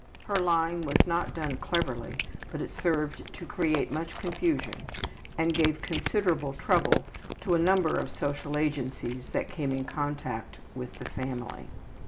Her lying was not done cleverly, but it served to create much confusion and gave considerable trouble to a number of social agencies that came in contact with the family.